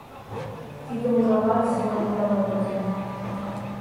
— Тидым, ужамат, Семен Иванов возен.